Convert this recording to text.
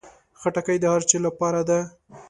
خټکی د هر چا لپاره ده.